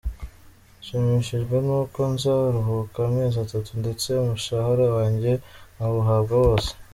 Nshimishijwe nuko nzaruhuka amezi atatu ndetse umushahara wanjye nkawuhabwa wose.